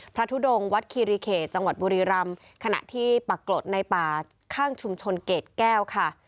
ทุดงวัดคีรีเขตจังหวัดบุรีรำขณะที่ปรากฏในป่าข้างชุมชนเกรดแก้วค่ะ